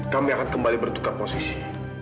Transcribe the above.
kami akan kembali bertukar posisi